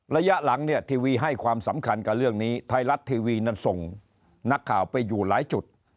ระยะหลังเนี่ยทีวีให้ความสำคัญกับเรื่องนี้ไทยรัฐทีวีนั้นส่งนักข่าวไปอยู่หลายจุด